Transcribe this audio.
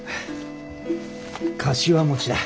かしわ餅だ。